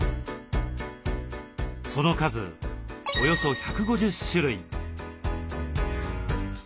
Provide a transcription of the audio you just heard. その数およそ１５０種類。